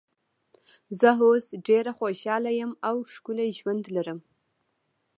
زه اوس ډېره خوشاله یم او ښکلی ژوند لرو.